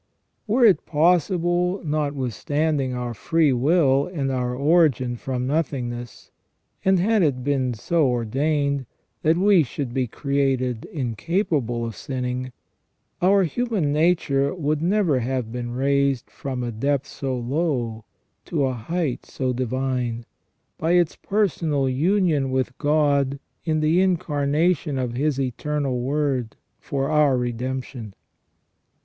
Were it possible, notwithstanding our free will and our origin from nothingness, and had it been so ordained, that we should be created incapable of sinning, our human nature would never have been raised from a depth so low to a height so divine, by its personal union with God in the incarnation of His Eternal Word for our redemption.